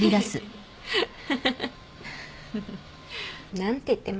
何て言ってます？